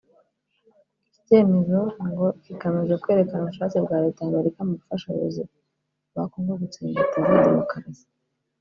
Iki cyemezo ngo kigamije kwerekana ubushake bwa Leta ya Amerika mu gufasha abayobozi ba Congo gutsimbataza demokarasi